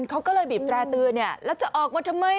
เขาก็เลยบีบแตร่เตือนแล้วจะออกมาทำไม